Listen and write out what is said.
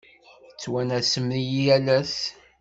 Ttwanasen-iyi yal ass.